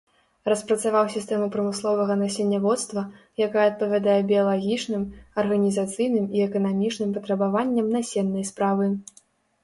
Распрацаваў сістэму прамысловага насенняводства, якая адпавядае біялагічным, арганізацыйным і эканамічным патрабаванням насеннай справы.